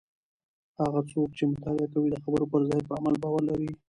هغه څوک چې مطالعه کوي د خبرو پر ځای په عمل باور لري.